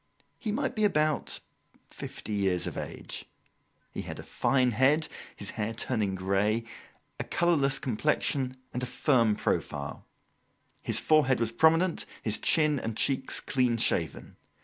He might be about fifty years of age. He had a fine head, his hair turning grey; a colourless complexion, and a firm profile. His forehead was prominent, his chin and cheeks clean shaven.